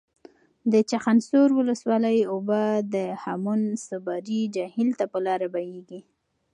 د چخانسور ولسوالۍ اوبه د هامون صابري جهیل ته په لاره کې بهیږي.